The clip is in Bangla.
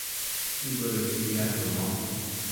কি বলে ফিরিয়ে আনব, মা!